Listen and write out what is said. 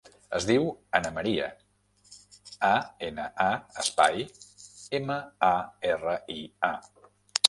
Es diu Ana maria: a, ena, a, espai, ema, a, erra, i, a.